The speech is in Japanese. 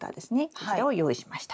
こちらを用意しました。